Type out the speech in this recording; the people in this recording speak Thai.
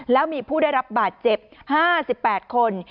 แล้วมีผู้ได้รับบาดเจ็บ๕๘คน